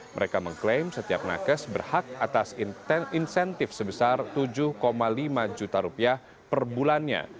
mereka mengklaim setiap nakes berhak atas insentif sebesar tujuh lima juta rupiah per bulannya